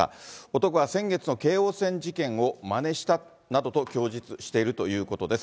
男は先月の京王線事件をまねしたなどと供述しているということです。